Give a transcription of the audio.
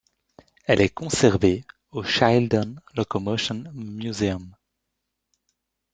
Elle est conservée au Shildon Locomotion Museum.